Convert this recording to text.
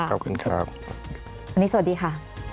อันนี้สวัสดีค่ะ